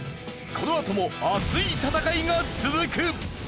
このあとも熱い戦いが続く！